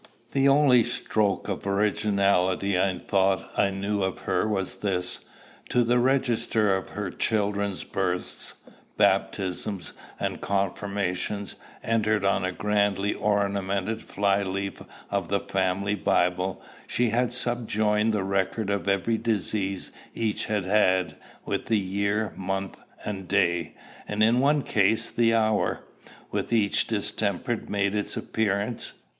The only stroke of originality I thought I knew of her was this; to the register of her children's births, baptisms, and confirmations, entered on a grandly ornamented fly leaf of the family Bible, she has subjoined the record of every disease each has had, with the year, month, and day (and in one case the hour), when each distemper made its appearance.